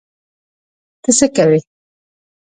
ته څه کوی؟